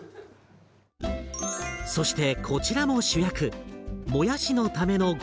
そしてこちらも主役！